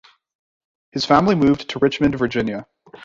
His family moved to Richmond, Virginia.